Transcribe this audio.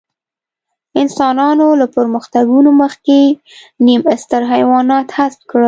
انسانانو له پرمختګونو مخکې نیم ستر حیوانات حذف کړل.